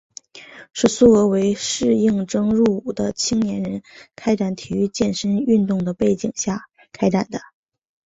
是苏俄为待应征入伍的青年人开展体育健身运动的背景下开展的。